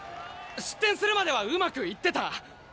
失点するまではうまくいってた。